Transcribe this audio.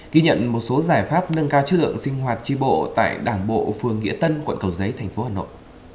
ghi nhận một số giải pháp nâng cao chất lượng sinh hoạt tri bộ tại đảng bộ phương nghĩa tân quận cầu giấy tp hà nội